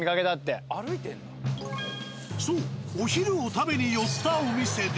そうお昼を食べに寄ったお店で。